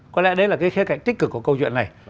có lẽ đấy là cái khía cạnh tích cực của câu chuyện này